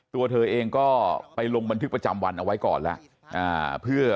ตัวเธอเองก็ไปลงบันทึกประจำวันเอาไว้ก่อนแล้ว